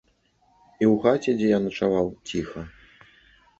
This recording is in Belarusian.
І ў хаце, дзе я начаваў, ціха.